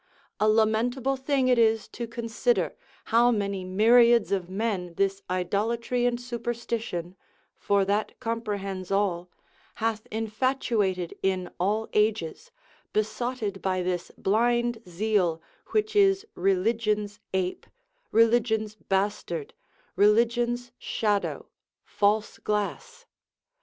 A lamentable thing it is to consider, how many myriads of men this idolatry and superstition (for that comprehends all) hath infatuated in all ages, besotted by this blind zeal, which is religion's ape, religion's bastard, religion's shadow, false glass.